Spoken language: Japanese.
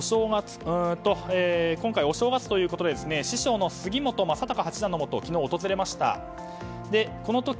今回、お正月ということで師匠の杉本昌隆八段のもとを昨日、訪れました。